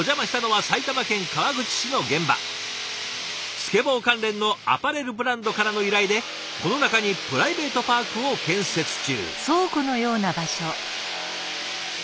スケボー関連のアパレルブランドからの依頼でこの中にプライベートパークを建設中。